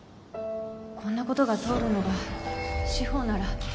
こんなことが通るのが司法なら